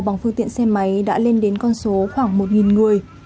bằng phương tiện xe máy đã lên đến con số khoảng một người